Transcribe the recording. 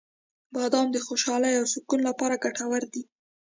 • بادام د خوشحالۍ او سکون لپاره ګټور دي.